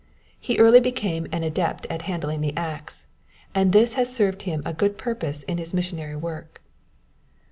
He early became an adept at handling the axe, and this has served him a good purpose in his missionary work.